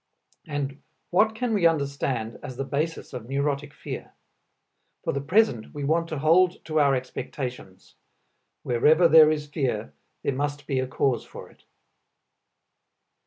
And what can we understand as the basis of neurotic fear? For the present we want to hold to our expectations: "Wherever there is fear, there must be a cause for it."